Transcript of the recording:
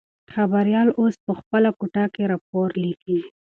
خبریال اوس په خپله کوټه کې راپور لیکي.